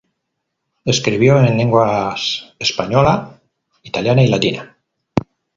Escribió en lenguas española, italiana y latina.